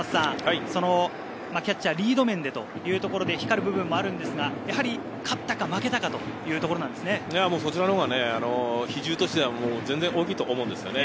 キャッチャーリード面でというところで光る部分はあるんですが、やはり勝ったか負けたかそちらのほうが比重としては全然大きいと思います。